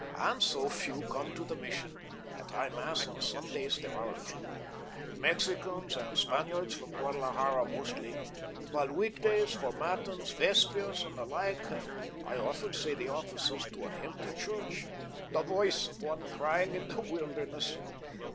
And so few come to the Mission. At High Mass on Sundays, there are a few Mexicans and Spaniards from Guadalajara mostly; but weekdays, for matins, vespers, and the like, I often say the offices to an empty church 'the voice of one crying in the wilderness.'